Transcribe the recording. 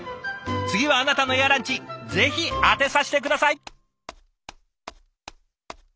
次はあなたのエアランチぜひ当てさせて下さい。